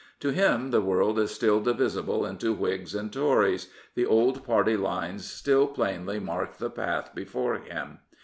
To him the world is still divisible into Whigs and Tories, the old party lines still plainly mark the path before him.